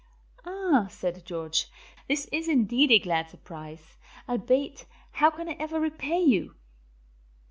"Ah," said George, "this is indeed a glad surprise. Albeit, how can I ever repay you?"